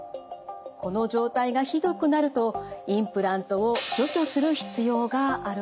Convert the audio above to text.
この状態がひどくなるとインプラントを除去する必要があるんです。